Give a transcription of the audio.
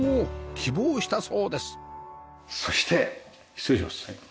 そして失礼します。